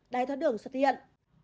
đai thao đường xuất hiện